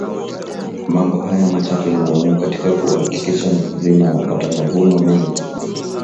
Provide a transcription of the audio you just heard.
mambo haya matatu ni muhimu katika kuhakikisha mmkulima anapata mavuno mengi